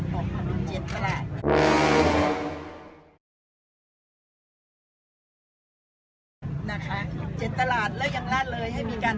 นะคะ๗ตลาดแล้วยังล่าเลยให้มีการทำตลาดเพิ่มอีก๓ตลาดรวมเป็น๑๐ตลาดอยู่ในหมู่บ้านนี้